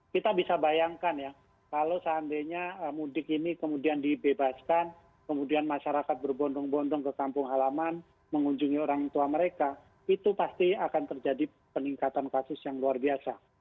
kita bisa bayangkan ya kalau seandainya mudik ini kemudian dibebaskan kemudian masyarakat berbondong bondong ke kampung halaman mengunjungi orang tua mereka itu pasti akan terjadi peningkatan kasus yang luar biasa